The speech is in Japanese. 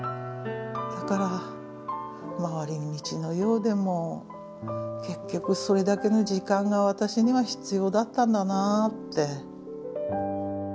だから回り道のようでも結局それだけの時間が私には必要だったんだなって。